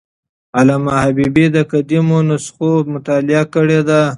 علامه حبیبي د قدیمو نسخو مطالعه کړې ده.